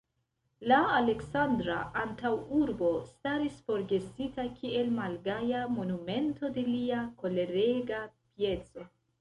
La Aleksandra antaŭurbo staris forgesita kiel malgaja monumento de lia kolerega pieco.